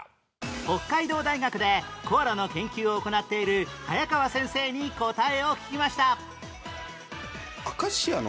北海道大学でコアラの研究を行っている早川先生に答えを聞きました